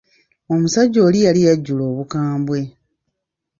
Omusajja oli yali yajjula obukambwe.